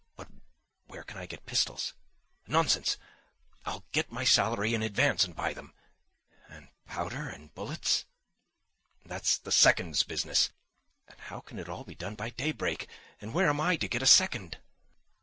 But where can I get pistols? Nonsense! I'll get my salary in advance and buy them. And powder, and bullets? That's the second's business. And how can it all be done by daybreak? and where am I to get a second?